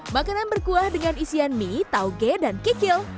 makanan berkuah dengan isian mie tauge dan kikil